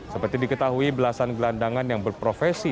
seperti diketahui belasan gelandangan yang berprofesi